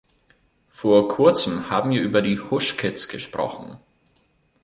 Vor kurzem haben wir über die Hushkits gesprochen.